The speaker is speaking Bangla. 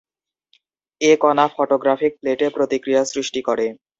এ কণা ফটোগ্রাফিক প্লেটে প্রতিক্রিয়া সৃষ্টি করে।